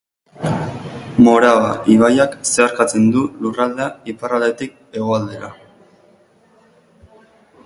Morava ibaiak zeharkatzen du lurraldea iparraldetik hegoaldera.